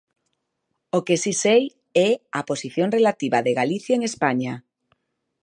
O que si sei é a posición relativa de Galicia en España.